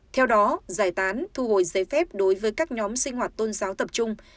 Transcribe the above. theo đó giải tán thu hồi giấy phép đối với các nhóm sinh hoạt tôn giáo tập trung